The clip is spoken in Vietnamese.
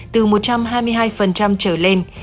từ một trăm hai mươi hai trở lên